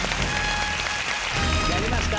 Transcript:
やりました！